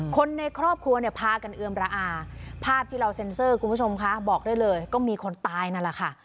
คนในครอบครัวเนี่ยพากันเอือมระอาภาพที่เราเซ็นเซอร์คุณผู้ชมคะบอกได้เลยก็มีคนตายนั่นแหละค่ะ